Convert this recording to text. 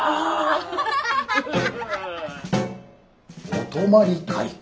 お泊まり会か。